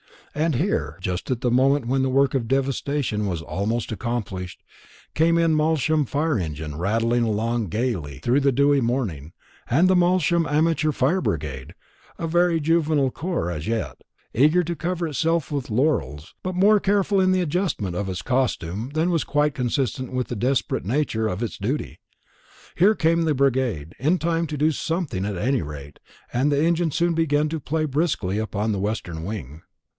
And here, just at the moment when the work of devastation was almost accomplished, came the Malsham fire engine rattling along gaily through the dewy morning, and the Malsham amateur fire brigade, a very juvenile corps as yet, eager to cover itself with laurels, but more careful in the adjustment of its costume than was quite consistent with the desperate nature of its duty. Here came the brigade, in time to do something at any rate, and the engine soon began to play briskly upon the western wing.